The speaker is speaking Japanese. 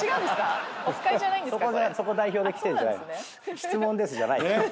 「質問です」じゃない。